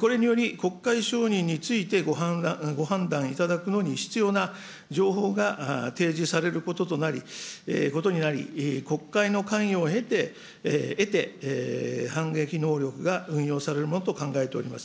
これにより、国会承認についてご判断いただくのに必要な情報が提示されることになり、国会の関与を得て、反撃能力が運用されるものと考えております。